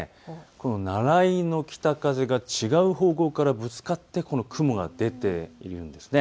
このナライの北風が違う方向からぶつかって雲が出ているんです。